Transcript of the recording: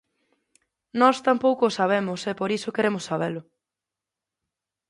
Nós tampouco o sabemos e por iso queremos sabelo.